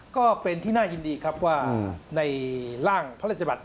ก็เป็นที่น่ายินดีครับว่าในร่างพระราชบัติ